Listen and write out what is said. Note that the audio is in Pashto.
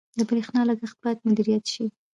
• د برېښنا لګښت باید مدیریت شي.